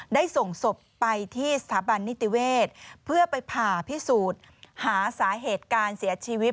ได้ส่งศพไปที่สถาบันนิติเวศเพื่อไปผ่าพิสูจน์หาสาเหตุการเสียชีวิต